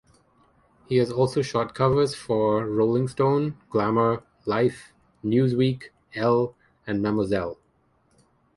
He has also shot covers for "Rolling Stone", "Glamour", "Life", "Newsweek", "Elle" and "Mademoiselle".